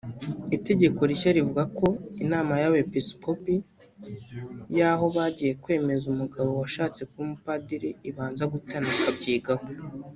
Itegeko rishya rivuga ko Inama y’abepiskopi y’aho bagiye kwemeza umugabo washatse kuba umupadiri ibanza guterana ikabyigaho